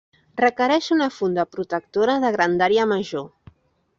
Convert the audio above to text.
Requereix una funda protectora de grandària major.